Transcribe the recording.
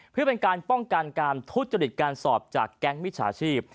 เพื่อเป็นการป้องกันการทุจริตการสอบจากแก๊งมิจฉาชีพ